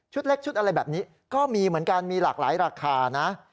เล็กชุดอะไรแบบนี้ก็มีเหมือนกันมีหลากหลายราคานะ